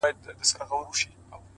فريادي داده محبت کار په سلگيو نه سي.